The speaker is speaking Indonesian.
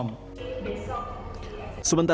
sementara itu badan intelijen negara atau bin dan tni ad